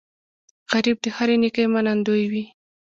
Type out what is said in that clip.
غریب د هرې نیکۍ منندوی وي